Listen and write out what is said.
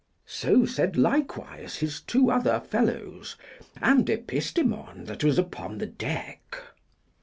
So said likewise his two other fellows, and Epistemon that was upon the deck.